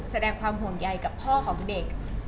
แสดงความห่วงใยกับพ่อของเด็ก